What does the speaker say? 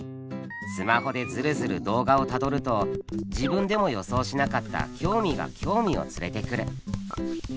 スマホでヅルヅル動画をたどると自分でも予想しなかった興味が興味を連れてくる。